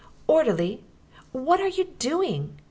"Orderly! What are you doing?"